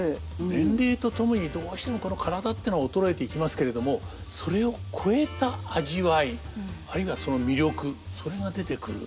年齢とともにどうしてもこの体ってのは衰えていきますけれどもそれを超えた味わいあるいはその魅力それが出てくる。